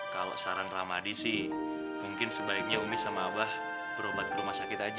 kalau saran ramadi sih mungkin sebaiknya umi sama abah berobat ke rumah sakit aja